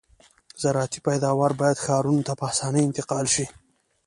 زراعتي پیداوار باید ښارونو ته په اسانۍ انتقال شي